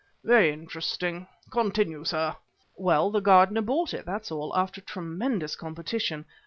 Very interesting; continue, sir." "Well, the gardener bought it, that's all, after tremendous competition.